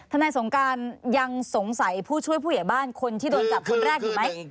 นายสงการยังสงสัยผู้ช่วยผู้ใหญ่บ้านคนที่โดนจับคนแรกอยู่ไหม